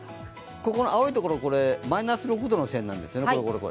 ここの青いところマイナス６度の線なんですよね。